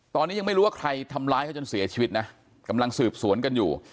ตอนนี้ยังไม่รู้ว่าใครทำร้ายเขาจนเสียชีวิตนะกำลังสืบสวนกันอยู่